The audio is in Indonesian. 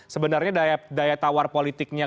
sebenarnya daya tawar politiknya